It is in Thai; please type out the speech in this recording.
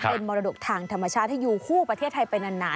เป็นมรดกทางธรรมชาติที่อยู่คู่ประเทศไทยไปนาน